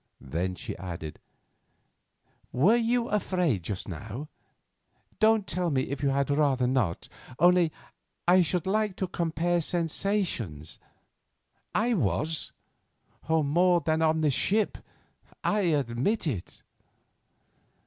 Then she added: "Were you afraid just now? Don't tell me if you had rather not, only I should like to compare sensations. I was—more than on the ship. I admit it."